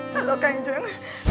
lalu kang jeng